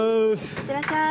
いってらっしゃい。